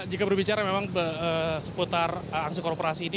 jika berbicara memang seputar aksi korporasi ini